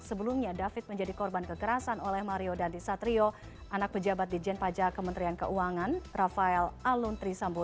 sebelumnya david menjadi korban kekerasan oleh mario dandisatrio anak pejabat di jenpaja kementerian keuangan rafael aluntri sambo